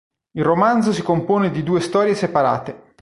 Il romanzo si compone di due storie separate.